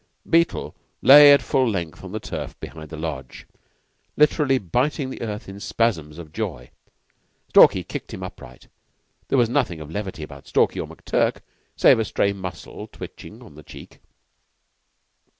Beetle lay at full length on the turf behind the Lodge, literally biting the earth in spasms of joy. Stalky kicked him upright. There was nothing of levity about Stalky or McTurk save a stray muscle twitching on the cheek.